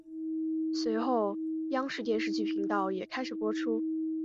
随后央视电视剧频道也开始播出。